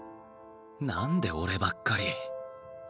何で俺ばっかり。